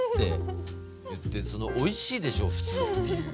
その「おいしい」でしょう普通っていう。